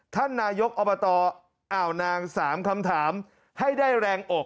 ท่านนายกอบตอ่าวนาง๓คำถามให้ได้แรงอก